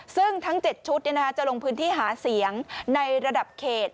ซึ่งทั้ง๗ชุดจะลงพื้นที่หาเสียงในระดับเขต